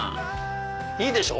いいでしょ？